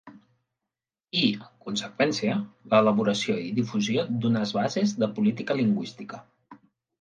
I, en conseqüència, l'elaboració i difusió d'unes bases de política lingüística.